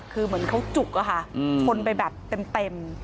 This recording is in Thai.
คือเหมือนเขาจุกอะค่ะชนไปแบบเต็ม